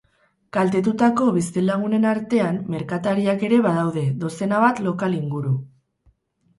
Kaltetutako bizilagunen artean, merkatariak ere badaude, dozena bat lokal inguru.